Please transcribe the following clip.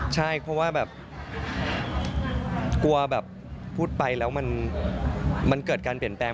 ใช่เพราะว่าแบบกลัวแบบพูดไปแล้วมันเกิดการเปลี่ยนแปลง